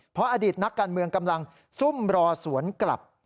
เพราะอดีตนักการเมืองกำลังซุ่มรอสวนกลับ